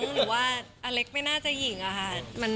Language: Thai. หรือว่าอเล็กไม่น่าจะหญิงอะค่ะ